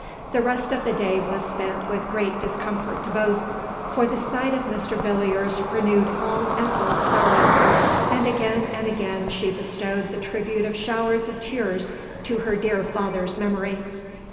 The rest of the day was spent with great discomfort to both ; for the sight of Mr. Villiers renewed all Ethel's sorrows ; and again and again she bestowed the tribute of showers of tears to her dear father's memory.